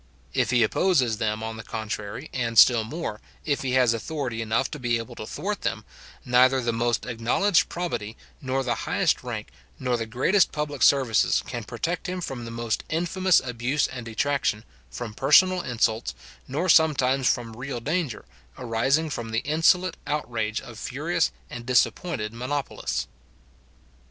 If he opposes them, on the contrary, and still more, if he has authority enough to be able to thwart them, neither the most acknowledged probity, nor the highest rank, nor the greatest public services, can protect him from the most infamous abuse and detraction, from personal insults, nor sometimes from real danger, arising from the insolent outrage of furious and disappointed monopolists.